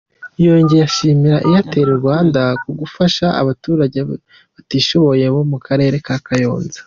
Yongeye ashimira Airtel Rwanda ku kugufasha abaturage batishoboye bo mu karere ka Kayonza.